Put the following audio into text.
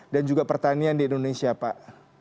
dan juga pertanian di indonesia pak